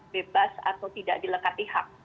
bebas atau tidak dilekati hak